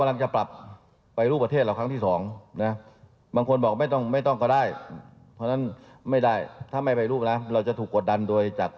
ไม่ทั้งประเทศด้วย